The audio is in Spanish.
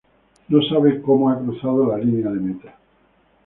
No sabe cómo ha cruzado la línea de meta.